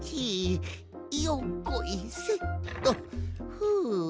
ふう。